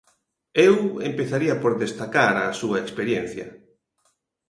Eu empezaría por destacar a súa experiencia.